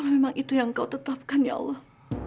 jika itu yang kamu tetapkan ya allah